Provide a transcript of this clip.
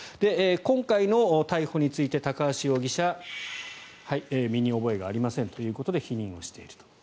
今回の逮捕について高橋容疑者身に覚えがありませんということで否認をしていると。